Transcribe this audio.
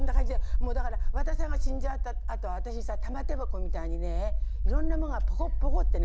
もうだから和田さんが死んじゃったあと私さ玉手箱みたいにねいろんなものがポコッポコッてね